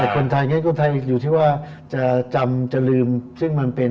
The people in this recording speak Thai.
คนไทยอยู่ที่ว่าจะจำจะลืม